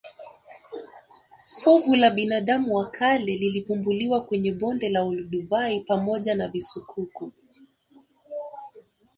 Fuvu la binadamu wa kale lilivumbuliwa kwenye bonde la olduvai pamoja na visukuku